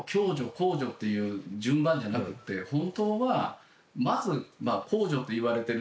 公助っていう順番じゃなくって本当はまず公助といわれてる。